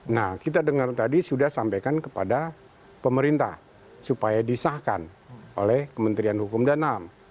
nah kita dengar tadi sudah sampaikan kepada pemerintah supaya disahkan oleh kementerian hukum dan ham